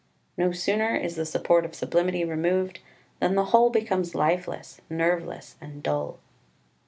No sooner is the support of sublimity removed than the whole becomes lifeless, nerveless, and dull.